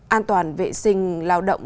an toàn vệ sinh lao động